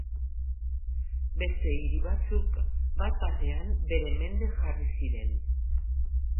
Beste hiri batzuk, bat-batean bere mende jarri ziren.